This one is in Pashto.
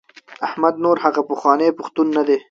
احمد نور هغه پخوانی پښتون نه دی.